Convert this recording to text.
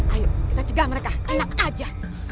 ayo kita cegah mereka elok aja